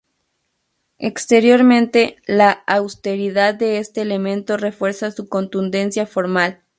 Exteriormente la austeridad de este elemento refuerza su contundencia formal.